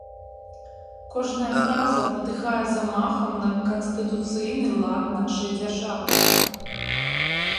Кожная фраза патыхае замахам на канстытуцыйны лад нашай дзяржавы.